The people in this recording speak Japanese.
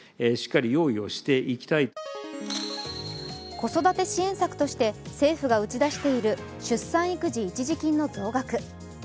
子育て支援策として政府が打ち出している出産育児一時金の増額。